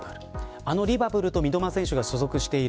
あのリバプールと三笘選手の所属している